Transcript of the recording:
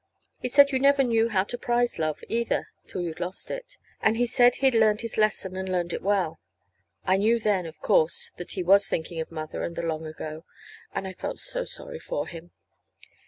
He said you never knew how to prize love, either, till you'd lost it; and he said he'd learned his lesson, and learned it well. I knew then, of course, that he was thinking of Mother and the long ago. And I felt so sorry for him.